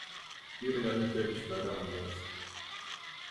Die Realität ist leider anders.